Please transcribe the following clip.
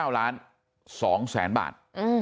๙ล้าน๒แสนบาท